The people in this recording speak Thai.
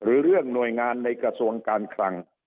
หรือเรื่องหน่วยงานในกระทรวงการคลัง